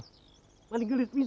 wih banyak sekali ceweknya